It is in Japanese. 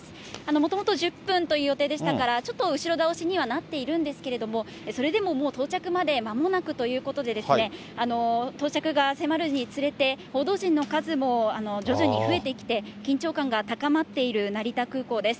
もともと１０分という予定でしたから、ちょっと後ろ倒しにはなっているんですけれども、それでももう到着までまもなくということでですね、到着が迫るにつれて、報道陣の数も徐々に増えてきて、緊張感が高まっている成田空港です。